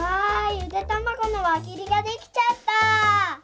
ゆでたまごのわぎりができちゃった。